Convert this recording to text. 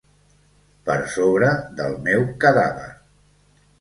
Per sobre del meu cadàver.